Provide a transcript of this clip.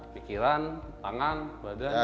pikiran tangan badan